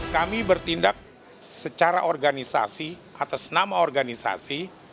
kami bertindak secara organisasi atas nama organisasi